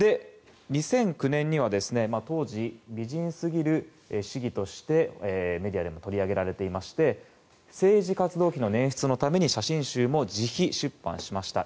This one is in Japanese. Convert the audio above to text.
２００９年には、当時美人すぎる市議としてメディアでも取り上げられていまして政治活動費の捻出のために写真集も自費出版しました。